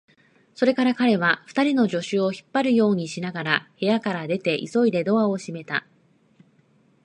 それから彼は、二人の助手を引っ張るようにしながら部屋から出て、急いでドアを閉めた。